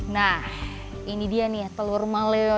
nah ini dia nih telur maleo